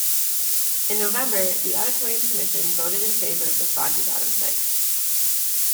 In November, the Auditorium Commission voted in favor of the Foggy Bottom site.